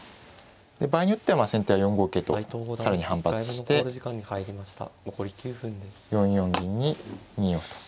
場合によっては先手は４五桂と更に反発して４四銀に２四歩と。